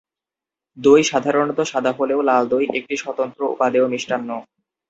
দই সাধারণত সাদা হলেও লাল দই একটি স্বতন্ত্র উপাদেয় মিষ্টান্ন।